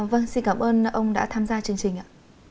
vâng xin cảm ơn ông đã tham gia chương trình ạ